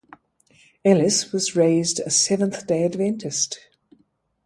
Ellis was raised a Seventh-day Adventist.